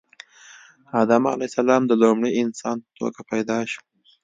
آدم علیه السلام د لومړي انسان په توګه پیدا شو